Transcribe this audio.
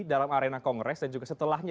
dalam arena kongres dan juga setelahnya